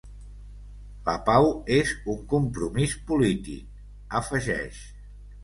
La pau és un compromís polític, afegeix.